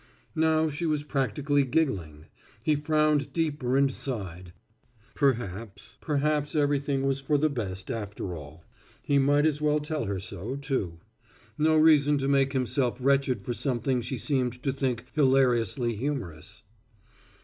Now she was practically giggling. He frowned deeper and sighed. Perhaps, perhaps everything was for the best, after all. He might as well tell her so, too. No reason to make himself wretched for something she seemed to think hilariously humorous.